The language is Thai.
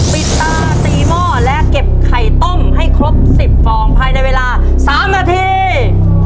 ปิดตาตีหม้อและเก็บไข่ต้มให้ครบ๑๐ฟองภายในเวลา๓นาที